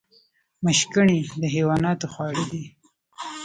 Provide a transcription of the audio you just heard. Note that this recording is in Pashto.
مشګڼې د حیواناتو خواړه دي